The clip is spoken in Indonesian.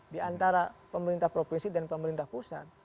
di antara pemerintah provinsi dan pemerintah pusat